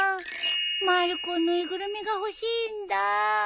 まる子縫いぐるみが欲しいんだ。